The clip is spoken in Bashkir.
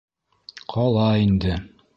Ҡала инде...